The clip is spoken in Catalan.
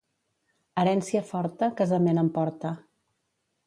Herència forta, casament en porta.